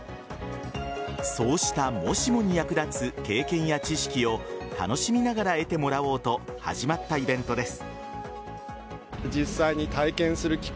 そうしたもしもに役立つ経験や知識を楽しみながら得てもらおうと始まったイベントです。